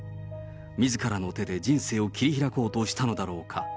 みずからの手で人生を切り開こうとしたのだろうか。